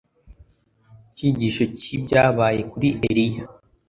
Icyigisho cyibyabaye kuri Eliya